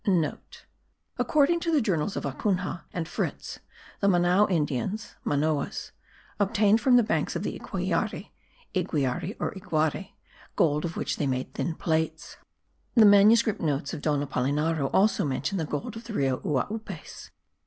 *(* According to the journals of Acunha and Fritz the Manao Indians (Manoas) obtained from the banks of the Yquiari (Iguiare or Iguare) gold of which they made thin plates. The manuscript notes of Don Apollinario also mention the gold of the Rio Uaupes.